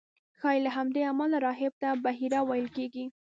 ښایي له همدې امله راهب ته بحیرا ویل کېږي.